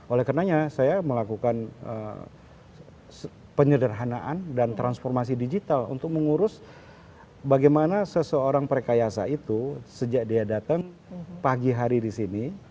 oleh karenanya saya melakukan penyederhanaan dan transformasi digital untuk mengurus bagaimana seseorang prekayasa itu sejak dia datang pagi hari di sini